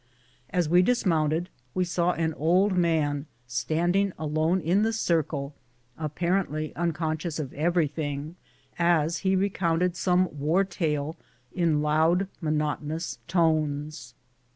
As we dismounted, we saw an old man standing alone in the circle, appar ently unconscious of everything, as he recounted some war tale in loud, monotonous tones.